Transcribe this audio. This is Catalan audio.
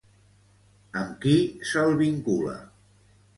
Amb qui se'l vincula?